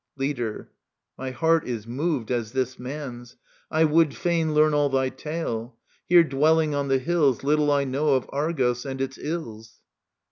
LEADER. My heart is moved as this man's. I woiJd fain Learn all thy tale. Here dwelling on the hills Little I know of Argos and its ills.